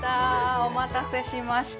お待たせしました。